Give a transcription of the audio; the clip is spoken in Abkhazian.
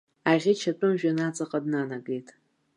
Аӷьыч атәым жәҩан аҵаҟа днанагеит.